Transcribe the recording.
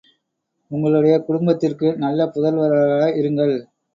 உங்களுடைய குடும்பத்திற்கு நல்ல புதல்வர்களாக இருங்கள்!